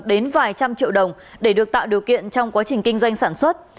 đến vài trăm triệu đồng để được tạo điều kiện trong quá trình kinh doanh sản xuất